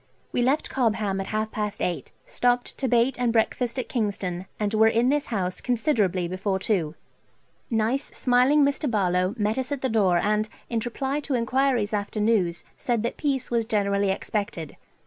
We left Cobham at half past eight, stopped to bait and breakfast at Kingston, and were in this house considerably before two. Nice smiling Mr. Barlowe met us at the door and, in reply to enquiries after news, said that peace was generally expected.